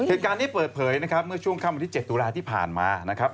เหตุการณ์นี้เปิดเผยนะครับเมื่อช่วงค่ำวันที่๗ตุลาที่ผ่านมานะครับ